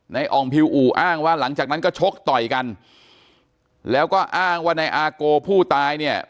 อ่องพิวอู่อ้างว่าหลังจากนั้นก็ชกต่อยกันแล้วก็อ้างว่าในอาโกผู้ตายเนี่ย